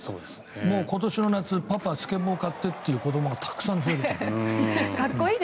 もう今年の夏、パパスケボー買ってという子どもがたくさん増えると思う。